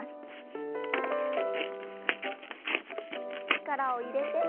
力を入れて。